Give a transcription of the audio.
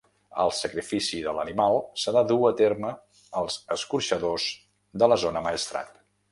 El sacrifici de l'animal s'ha de dur a terme als escorxadors de la zona Maestrat.